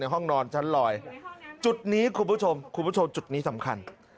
ในห้องนอนชั้นรอยจุดนี้คุณผู้ชมจุดนี้สำคัญ